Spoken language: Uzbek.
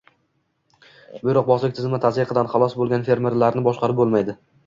buyruqbozlik tizimi tazyiqidan xalos bo‘lgan fermerlarni boshqarib bo‘lmaydi.